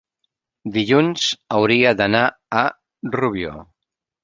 dilluns hauria d'anar a Rubió.